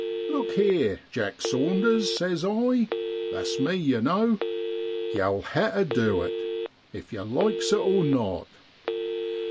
Look heer, Jack Saunders, say's I (that's me, yer know), ymtfll TicC ter du it, if yer likes it or not.